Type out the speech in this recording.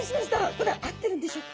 これ合ってるんでしょうか。